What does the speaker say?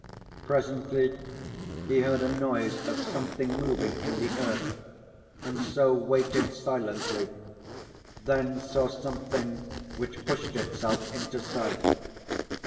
Presently he heard a noise of something moving in the earth, and so waited silently, then saw something which pushed itself into sight.